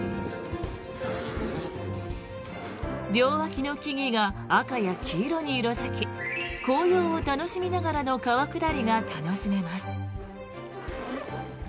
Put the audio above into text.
両脇の木々が赤や黄色に色付き紅葉を楽しみながらの川下りが楽しめます。